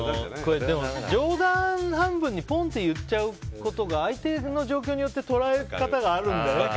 でも、冗談半分にポンと言っちゃうことが相手の状況によって捉え方があるんだよね。